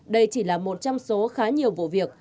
đây chỉ là một trong số khá nhiều vụ việc